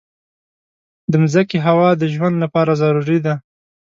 د مځکې هوا د ژوند لپاره ضروري ده.